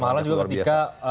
sama halnya juga ketika dpa spi